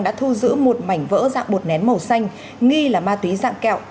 đã thu giữ một mảnh vỡ dạng bột nén màu xanh nghi là ma túy dạng kẹo